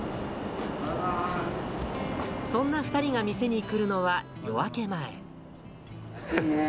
そんな２人が店に来るのは夜暑いね。